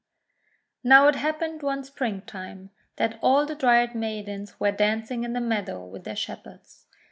Now it happened one Springtime, that all the Dryad Maidens were dancing in the meadow with their Shepherds.